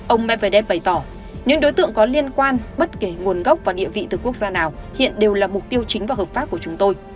ông medvedev bày tỏ những đối tượng có liên quan bất kể nguồn gốc và địa vị từ quốc gia nào hiện đều là mục tiêu chính và hợp pháp của chúng tôi